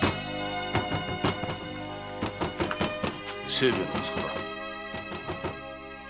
清兵衛の息子だ。